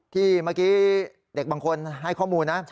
ที่เมื่อกี้เด็กบางคนให้ข้อมูลนะ